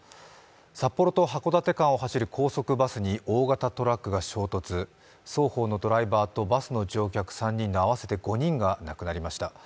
札幌と函館間を走る高速バスに大型トラックが衝突、双方のドライバーとバスの乗客３人が亡くなりました。